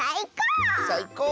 さいこう！